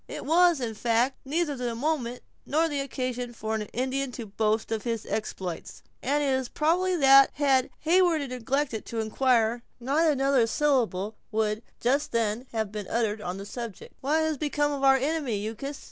It was, in fact, neither the moment nor the occasion for an Indian to boast of his exploits; and it is probably that, had Heyward neglected to inquire, not another syllable would, just then, have been uttered on the subject. "What has become of our enemy, Uncas?"